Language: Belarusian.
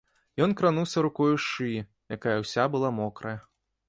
Ён крануўся рукою шыі, якая ўся была мокрая.